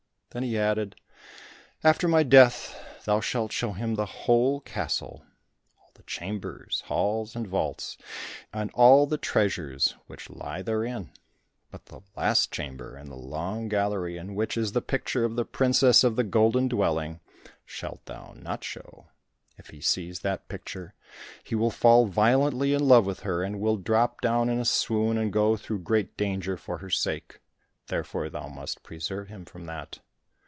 Then he added, "After my death, thou shalt show him the whole castle: all the chambers, halls, and vaults, and all the treasures which lie therein, but the last chamber in the long gallery, in which is the picture of the princess of the Golden Dwelling, shalt thou not show. If he sees that picture, he will fall violently in love with her, and will drop down in a swoon, and go through great danger for her sake, therefore thou must preserve him from that."